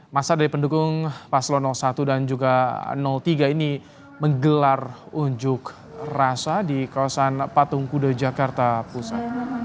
masa dari pendukung paslon satu dan juga tiga ini menggelar unjuk rasa di kawasan patung kuda jakarta pusat